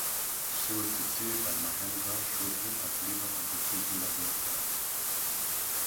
She was succeeded by Mahendra Chaudhry as leader of the Fiji Labour Party.